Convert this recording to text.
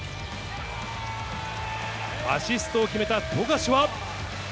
アシストを決めた富樫は。